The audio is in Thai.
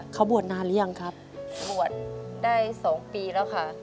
เขาบวชนานหรือยังครับบวชได้๒ปีแล้วค่ะ